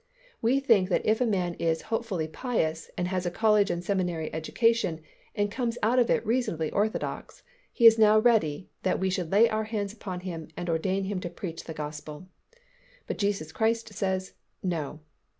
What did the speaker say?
We think that if a man is hopefully pious and has had a college and seminary education and comes out of it reasonably orthodox, he is now ready that we should lay our hands upon him and ordain him to preach the Gospel. But Jesus Christ says, "No."